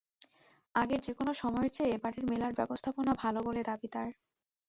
আগের যেকোনো সময়ের চেয়ে এবারের মেলার ব্যবস্থাপনা ভালো বলে দাবি তাঁর।